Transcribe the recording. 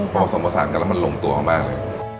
พอผสมผสานกันแล้วมันลงตัวมากเลย